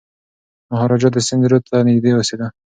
مهاراجا د سند رود ته نږدې اوسېده.